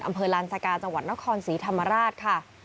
อำเภอลานสกาจังหวัดนครศรีธรรมราชค่ะ